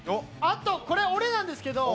これ、俺なんですけど。